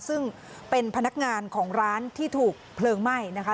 ซึ่งเป็นพนักงานของร้านที่ถูกเพลิงไหม้นะคะ